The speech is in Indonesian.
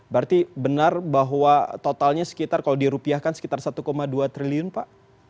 berarti benar bahwa totalnya sekitar kalau dirupiahkan sekitar satu dua triliun pak